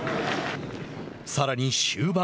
さらに終盤。